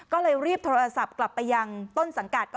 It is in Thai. ก็เลยรีบโทรศัพท์กลับไปยังต้นสังกัด